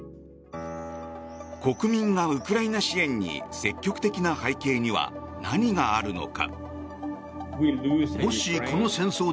国民がウクライナ支援に積極的な背景には何があるのか。